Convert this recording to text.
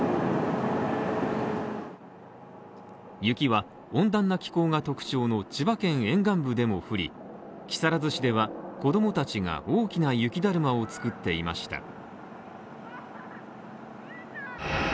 雪は温暖な気候が特徴の千葉県沿岸部でも降り、木更津市では子供たちが大きな雪だるまを作っていました。